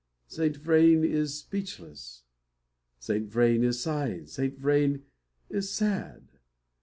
Saint Vrain is speechless; Saint Vrain is sighing; Saint Vrain is sad!